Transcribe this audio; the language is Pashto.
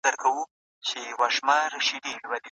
تر احسان لاندي هم ستا هم مو د پلار یم